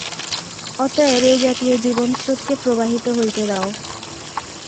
অতএব এই জাতীয় জীবনস্রোতকে প্রবাহিত হইতে দাও।